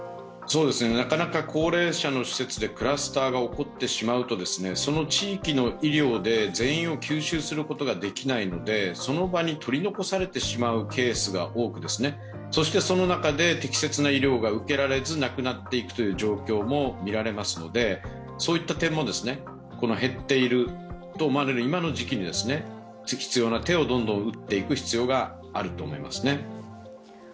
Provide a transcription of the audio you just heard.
なかなか高齢者の施設でクラスターが起こってしまうとその地域の医療で全員を吸収することができないのでその場に取り残されてしまうケースが多く、そしてその中で適切な医療が受けられず亡くなっていくという状況もみられますのでそういった点も減っていると思われる今の時期に必要な手をどんどん打っていく必要があると思います。